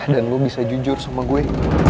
dan lo bisa jujur sama gue